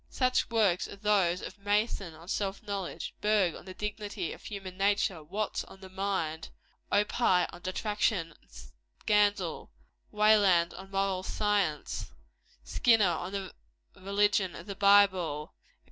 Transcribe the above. Such works as those of Mason on Self Knowledge, Burgh on the Dignity of Human Nature, Watts on the Mind, Opie on Detraction and Scandal, Wayland on Moral Science, Skinner on the Religion of the Bible, &c.